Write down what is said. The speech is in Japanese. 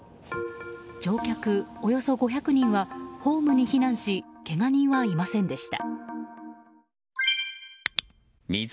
乗客およそ５００人はホームに避難しけが人はいませんでした。